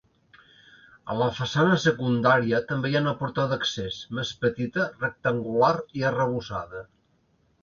A la façana secundària també hi ha una porta d'accés, més petita, rectangular i arrebossada.